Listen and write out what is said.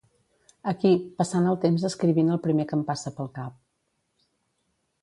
Aquí, passant el temps escrivint el primer que em passa pel cap